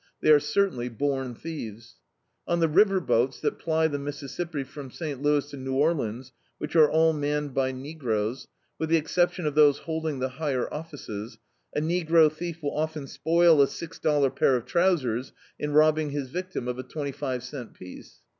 They are certainly bom thieves. On the river boats, that ply the Mississippi from St Louis to New Orleans, which are all manned by negroes, with the exception of those hold ing the higher ofBces, a negro thief will often spoil a six dollar pair of trousers in robbing his victim of a twenty five cent piece.